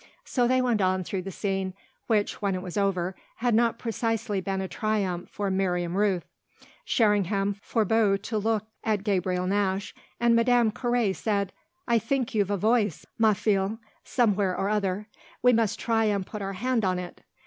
So they went on through the scene, which, when it was over, had not precisely been a triumph for Miriam Rooth. Sherringham forbore to look at Gabriel Nash, and Madame Carré said: "I think you've a voice, ma fille, somewhere or other. We must try and put our hand on it."